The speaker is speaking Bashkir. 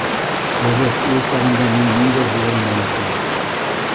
Ҡыҙыҡ, ул сағында мин ниндәй булыр инем икән?